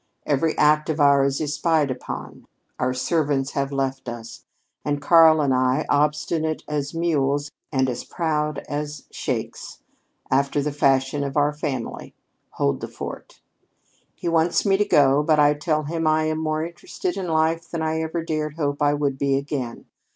Every act of ours is spied upon. Our servants have left us, and Karl and I, obstinate as mules and as proud as sheiks, after the fashion of our family, hold the fort. He wants me to go, but I tell him I am more interested in life than I ever dared hope I would be again.